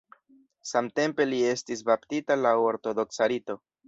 Samtempe li estis baptita laŭ ortodoksa rito.